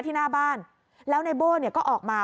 หน้าบ้านแล้วในโบ้เนี่ยก็ออกมา